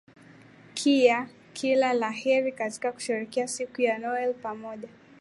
kia kila la heri katika kusherekea sikuku ya noweli pamoja